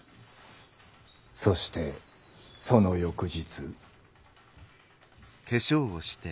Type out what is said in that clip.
そしてその翌日。